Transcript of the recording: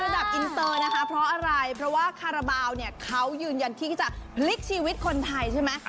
อินเตอร์นะคะเพราะอะไรเพราะว่าคาราบาลเนี่ยเขายืนยันที่จะพลิกชีวิตคนไทยใช่ไหม